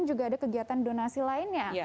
juga ada kegiatan donasi lainnya